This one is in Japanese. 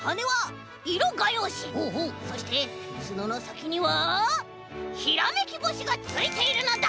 そしてつののさきにはひらめきぼしがついているのだ！